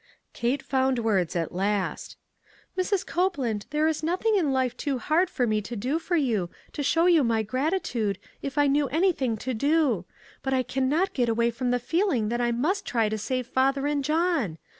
Kate found words at last. " Mrs. Copeland, there is nothing in life too hard for me to do for you, to show you my gratitude, if I knew anything to do. But I can not get away from the feeling that I must try to save father and John.